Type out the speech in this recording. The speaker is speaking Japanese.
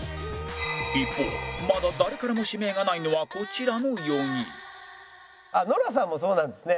一方まだ誰からも指名がないのはこちらの４人あっノラさんもそうなんですね。